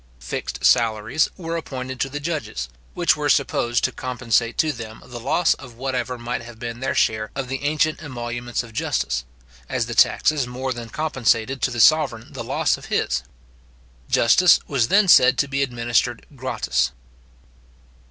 Fixed salaries were appointed to the judges, which were supposed to compensate to them the loss of whatever might have been their share of the ancient emoluments of justice; as the taxes more than compensated to the sovereign the loss of his. Justice was then said to be administered gratis.